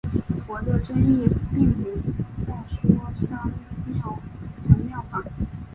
佛的真意并不再说三乘妙法。